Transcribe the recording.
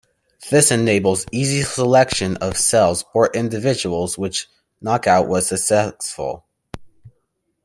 This enables easy selection of cells or individuals in which knockout was successful.